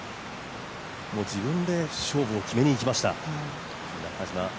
自分で勝負を決めに行きました中島。